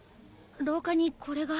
廊下にこれが。